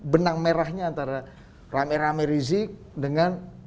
benang merahnya antara rame rame rizik dengan